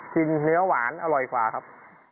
เนื้อหวานอร่อยกว่าครับ